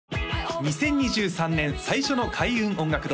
２０２３年最初の開運音楽堂